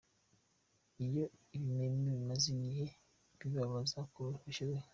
Iyo ibimeme bimaze igihe bibabaza nk’ubushye.